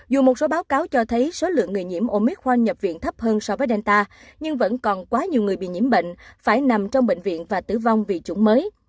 dù một số báo cáo cho thấy số lượng người nhiễm omic khoan nhập viện thấp hơn so với delta nhưng vẫn còn quá nhiều người bị nhiễm bệnh phải nằm trong bệnh viện và tử vong vì chủng mới